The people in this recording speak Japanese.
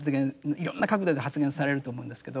いろんな角度で発言されると思うんですけど。